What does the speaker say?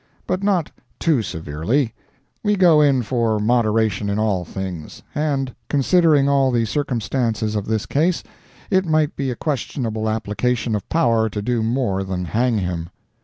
But not too severely—we go in for moderation in all things, and, considering all the circumstances of this case, it might be a questionable application of power to do more than hang him.